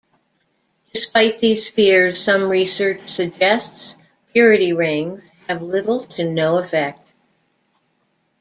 Despite these fears, some research suggests purity rings have little to no effect.